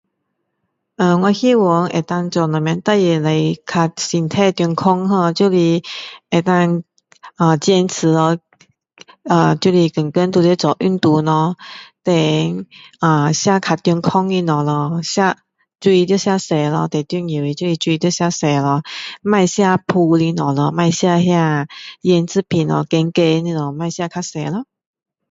呃我希望能够做什么事情了会身体健康 ho 就会能够坚持哦啊就是天天都要做运动咯 then 吃较健康的东西咯吃水要吃多咯最重要水要吃多咯不要吃腌制品的东西咯不要吃咸咸的东西不要吃